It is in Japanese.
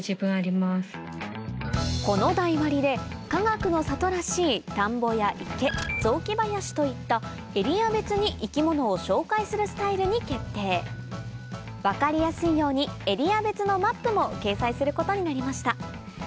この台割りでかがくの里らしい田んぼや池雑木林といったエリア別に生き物を紹介するスタイルに決定分かりやすいようにエリア別のマップも掲載することになりました